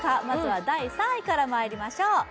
まずは第３位からまいりましょう。